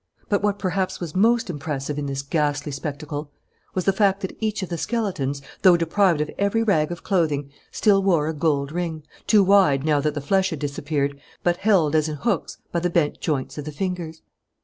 But what perhaps was most impressive in this ghastly spectacle was the fact that each of the skeletons, though deprived of every rag of clothing, still wore a gold ring, too wide now that the flesh had disappeared, but held, as in hooks, by the bent joints of the fingers.